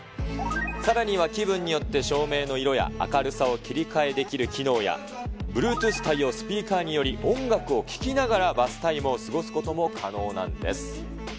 さらには気分によって照明の色や明るさを切り替えできる機能や、Ｂｌｕｅｔｏｏｔｈ対応スピーカーにより、音楽を聴きながら、バスタイムを過ごすことも可能なんです。